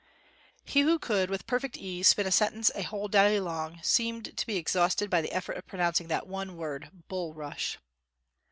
He who could with perfect ease spin a sentence a whole day long, seemed to be exhausted by the effort of pronouncing that one word, "bulrush."